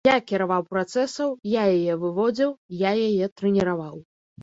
Я кіраваў працэсам, я яе выводзіў, я яе трэніраваў.